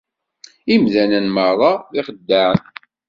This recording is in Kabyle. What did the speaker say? Imdanen merra d ixeddaɛen.